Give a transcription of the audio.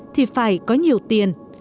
thì phải có nhiều tiền